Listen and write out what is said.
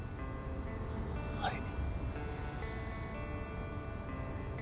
はい。